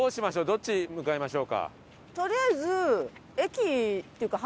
どっち向かいましょうか？